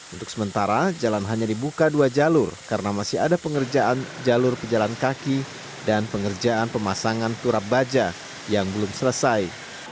untuk sementara jalan hanya dibuka dua jalur karena masih ada pengerjaan jalur pejalan kaki dan pengerjaan pemasangan turap baja yang belum selesai